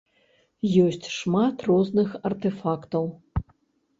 Ёсць шмат розных артэфактаў.